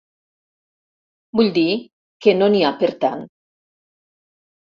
Vull dir que no n'hi ha per tant.